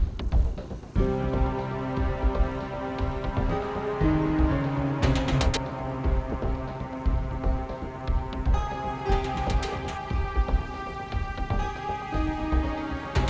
namun pembuat klien mereka memang mampu menentukan